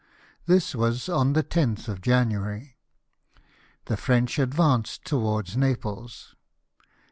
This was on the 10th of January. The French advanced towards Naples.